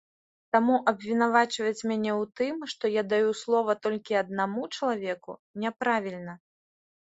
Таму абвінавачваць мяне ў тым, што я даю слова толькі аднаму чалавеку, не правільна.